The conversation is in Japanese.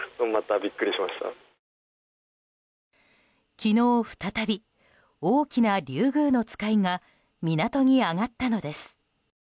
昨日、再び大きなリュウグウノツカイが港に揚がったのです。